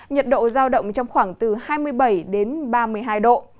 nhiệt độ giao động trong khoảng từ hai mươi bảy đến ba mươi hai độ